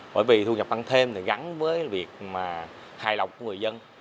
bởi vì thu nhập tăng thêm gắn với việc hài lòng của người dân